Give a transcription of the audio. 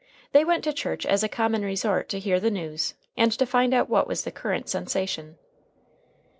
They went to church as a common resort to hear the news, and to find out what was the current sensation.